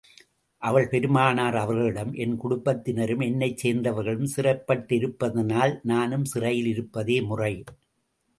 அவள் பெருமானார் அவர்களிடம், என் குடும்பத்தினரும், என்னைச் சேர்ந்தவர்களும் சிறைபட்டிருப்பதனால், நானும் சிறையில் இருப்பதே முறை.